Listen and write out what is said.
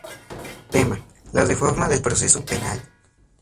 Tema: “"La Reforma del proceso penal.